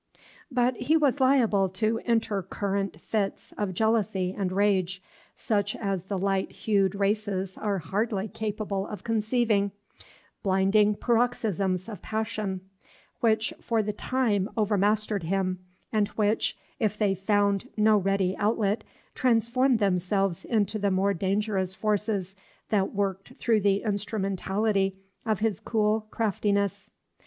But he was liable to intercurrent fits of jealousy and rage, such as the light hued races are hardly capable of conceiving, blinding paroxysms of passion, which for the time overmastered him, and which, if they found no ready outlet, transformed themselves into the more dangerous forces that worked through the instrumentality of his cool craftiness.